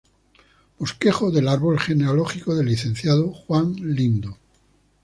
Bosquejo del árbol genealógico del licenciado Juan Lindo.